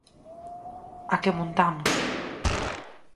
A que montamos!